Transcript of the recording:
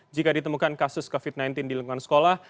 jika ditemukan kasus covid sembilan belas di lingkungan sekolah